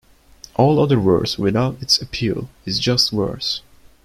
All other verse, without this appeal, is just verse.